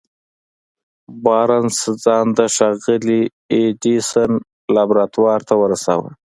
بارنس ځان د ښاغلي ايډېسن لابراتوار ته ورساوه.